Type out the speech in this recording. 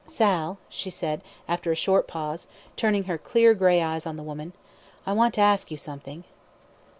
"Sal," she said, after a short pause, turning her clear grey eyes on the woman, "I want to ask you something."